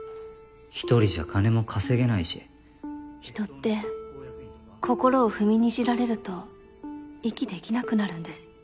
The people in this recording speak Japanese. １人じゃ人って心を踏みにじられると息できなくなるんです。